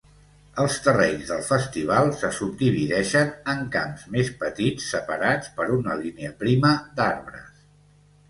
Els terrenys del festival se subdivideixen en camps més petits separats per una línia prima d'arbres.